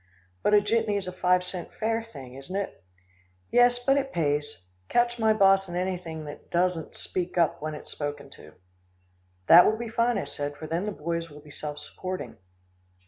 "But a jitney is a five cent fare thing, isn't it?" "Yes, but it pays. Catch my boss in anything that doesn't speak up when it's spoken to." "That will be fine," I said, "for then the boys will be self supporting."